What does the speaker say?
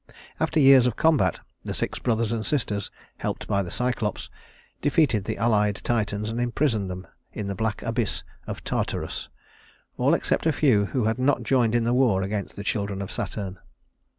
After years of combat the six brothers and sisters, helped by the Cyclops, defeated the allied Titans and imprisoned them in the black abyss of Tartarus all except a few who had not joined in the war against the children of Saturn.